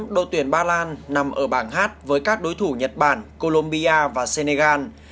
hai nghìn một mươi tám đội tuyển ba lan nằm ở bảng hát với các đối thủ nhật bản colombia và senegal